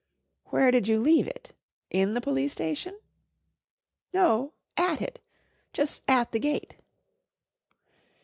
"Where did you leave it? In the Police Station?" "No at it jus' at the gate."